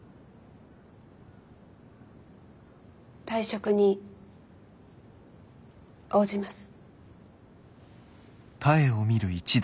退職に応じます。